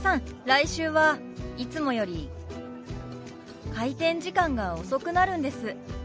来週はいつもより開店時間が遅くなるんです。